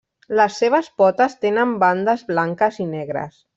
Les seves potes tenen bandes blanques i negres.